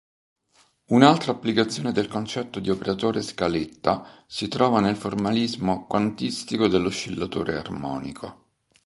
Un'altra applicazione del concetto di operatore scaletta si trova nel formalismo quantistico dell'oscillatore armonico.